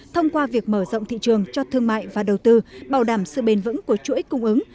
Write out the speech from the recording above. thông qua việc mở rộng thị trường cho thương mại và đầu tư bảo đảm sự bền vững của chuỗi cung ứng